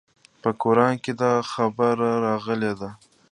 په قران کښې دا خبره راغلې ده.